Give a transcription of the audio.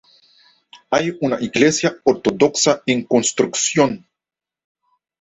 Hay una iglesia ortodoxa en construcción.